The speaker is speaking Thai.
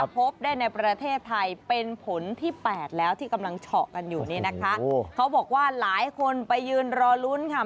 พบได้ในประเทศไทยเป็นผลที่๘แล้วที่กำลังเฉาะกันอยู่นี่นะคะเขาบอกว่าหลายคนไปยืนรอลุ้นค่ะ